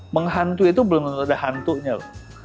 menghantui itu belum ada hantunya loh